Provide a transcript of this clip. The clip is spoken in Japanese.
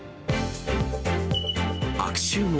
悪臭も。